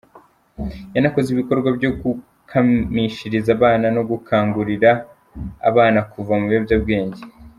Yanakoze ibikorwa byo gukamishiriza abana no gukangurira abana kuva mu biyobyabwenge.